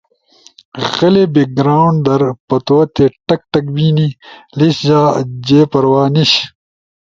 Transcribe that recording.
غلے بیک گراونڈ در پتوتے ٹک ٹک بینی لیش جا جے پروا نیِش،